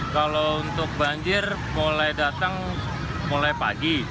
kalau untuk banjir mulai datang mulai pagi